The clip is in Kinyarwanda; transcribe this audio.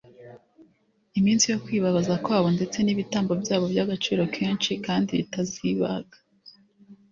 iminsi yo kwibabaza kwabo ndetse nibitambo byabo byagaciro kenshi kandi bitasibaga